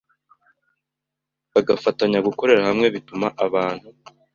bagafatanya. Gukorera hamwe bituma abantu